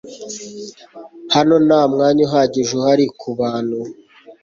Hano nta mwanya uhagije uhari kubantu